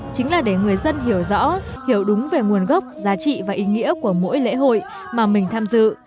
chính là để người dân hiểu rõ hiểu đúng về nguồn gốc giá trị và ý nghĩa của mỗi lễ hội mà mình tham dự